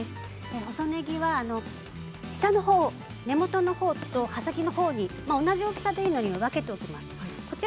細ねぎは、下のほう根元のほうと葉先のほうに同じ大きさでいいので分けておきます。